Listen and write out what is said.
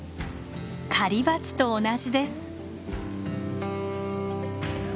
狩りバチと同じです。